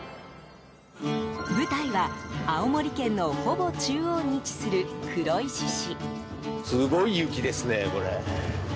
舞台は、青森県のほぼ中央に位置する黒石市。